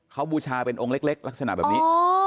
เขาบูชาเป็นองค์เล็กลักษณะแบบนี้